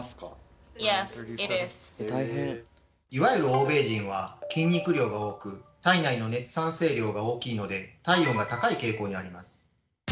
いわゆる欧米人は筋肉量が多く体内の熱産生量が大きいので体温が高い傾向にあります。